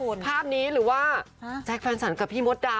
ภาพนี้หรือว่าแจ๊คแฟนสรรกับพี่มดดำ